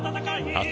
あっ！